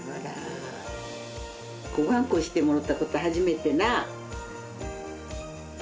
こがんこしてもろたこと初めてな。